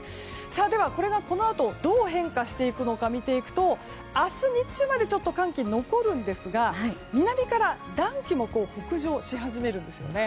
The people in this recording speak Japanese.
ではこれが、このあとどう変化していくのかというと明日日中まで寒気が残るんですが南から暖気も北上し始めるんです。